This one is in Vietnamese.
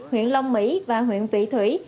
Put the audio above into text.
huyện long mỹ và huyện vị thủy